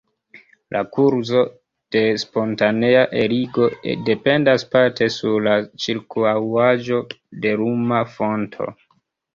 La kurzo de spontanea eligo dependas parte sur la ĉirkaŭaĵo de luma fonto.